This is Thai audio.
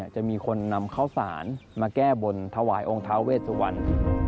จะมีคนนำเข้าสารมาแก้บนถวายองค์ท้าเวสวรรณ